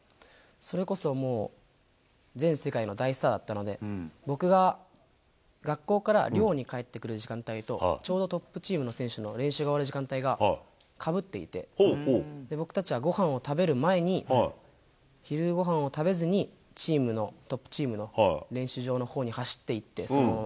それこそもう、全世界の大スターだったので、僕が学校から寮に帰ってくる時間帯と、ちょうどトップチームの選手の練習が終わる時間帯がかぶっていて、僕たちはごはんを食べる前に、昼ごはんを食べずに、チームの、トップチームの練習場のほうに走っていって、そのまま。